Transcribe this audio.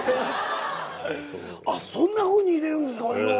そんなふうに入れるんですかお湯を。